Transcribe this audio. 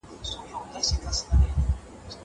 زه پرون سبزېجات جمع کړل.